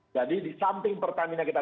jadi disamping pertamina kita